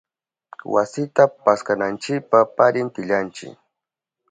Wasita paskananchipa parintillanchi.